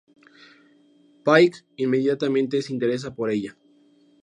Pike inmediatamente se interesa por ella.